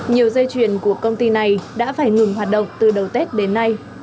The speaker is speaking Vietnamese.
nhiều dây chuyền của công ty này đã phải ngừng hoạt động từ đầu tết đến nay